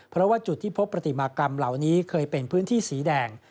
เพราะว่าจุดที่พบปฏิมากรรมเหล่านี้เคยเป็นพื้นที่สีแดง